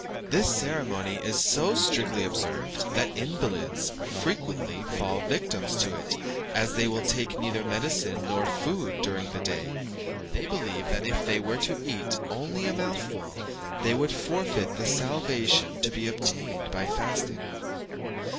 This ceremony is so strictly observed that invalids frequently fall victims to it, as they will take neither medicine nor food during the day; they believe that if they were to eat only a mouthful, they would forfeit the salvation to be obtained by fasting.